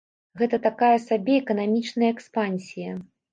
Гэта такая сабе эканамічная экспансія.